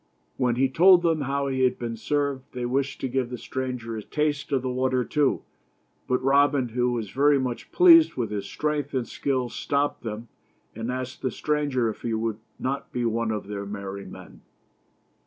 When he told them how he had been served, they wished to give the stranger a taste of the water too, but Robin, who was very much pleased with his strength and skill, stopped them, and asked the stranger if he would not be one of his merry men.